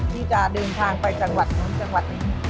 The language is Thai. ที่จะเดินทางไปจังหวัดนู้นจังหวัดนี้